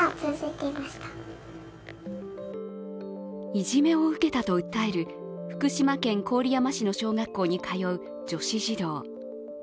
いじめを受けたと訴える福島県郡山市の小学校に通う女子児童。